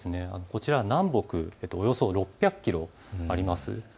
こちら、南北およそ６００キロあります。